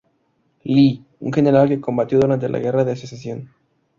Lee, general que combatió durante la guerra de Secesión.